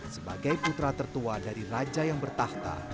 sebagai putra tertua dari raja yang bertahta